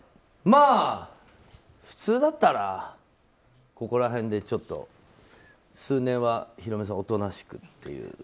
普通だったらここら辺でちょっと数年はヒロミさん、おとなしくっていう。